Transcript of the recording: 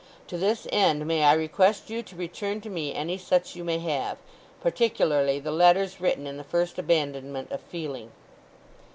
To this end may I request you to return to me any such you may have, particularly the letters written in the first abandonment of feeling.